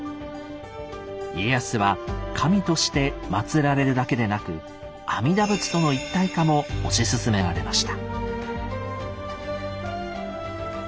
家康は神としてまつられるだけでなく「阿弥陀仏との一体化」も推し進められました。